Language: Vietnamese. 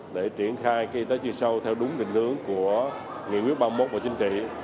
để triển khai y tế chuyên sâu theo đúng định hướng của nghị quyết ba mươi một và chính trị